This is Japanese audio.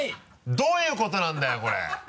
どういうことなんだよこれ。